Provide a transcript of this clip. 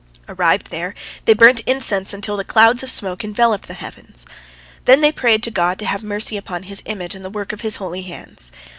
Arrived there, they burnt incense until the clouds of smoke enveloped the heavens. Then they prayed to God to have mercy upon His image and the work of His holy hands.